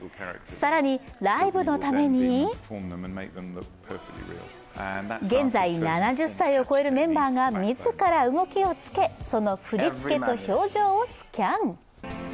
更に、ライブのために現在７０歳を超えるメンバーが自ら動きをつけ、その振り付けと表情をスキャン。